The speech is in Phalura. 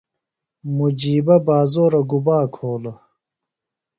مجیبہ بازورہ گُبا کھولوۡ؟